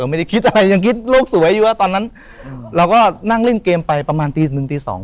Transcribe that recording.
ไม่ได้คิดอะไรยังคิดโลกสวยอยู่แล้วตอนนั้นเราก็นั่งเล่นเกมไปประมาณตีหนึ่งตีสอง